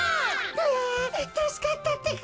あたすかったってか。